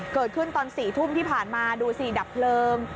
เกิดขึ้นตอน๔ทุ่มที่ผ่านมาดูสิดับเพลิง